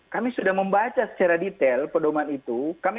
kami sudah membaca secara detail pedoman itu